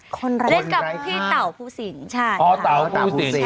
คนไร้ค่าอ๋อต่าวภูสินใช่ค่ะอ๋อต่าวภูสิน